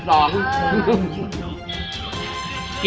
แต่ที่นี่๕จุด๒